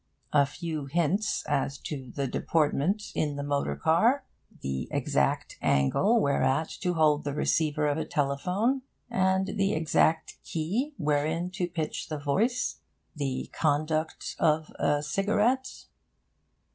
A few hints as to Deportment in the Motor Car; the exact Angle whereat to hold the Receiver of a Telephone, and the exact Key wherein to pitch the Voice; the Conduct of a Cigarette...